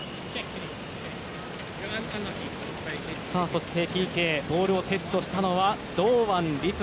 そしてＰＫボールをセットしたのは堂安律。